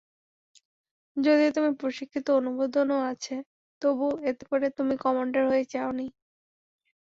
যদিও তুমি প্রশিক্ষিত, অনুমোদনও আছে, তবুও এতে করে তুমি কমান্ডার হয়ে যাওনি।